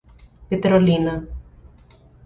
Petrolina